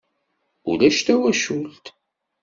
Ulac tawacult.